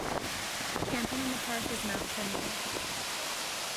Camping in the park is not permitted.